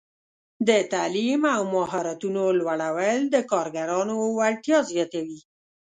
د تعلیم او مهارتونو لوړول د کارګرانو وړتیا زیاتوي.